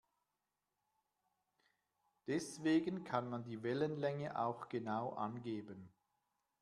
Deswegen kann man die Wellenlänge auch genau angeben.